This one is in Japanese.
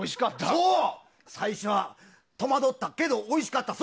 そう、最初は戸惑ったけどおいしかった。